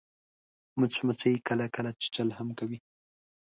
مچمچۍ کله کله چیچل هم کوي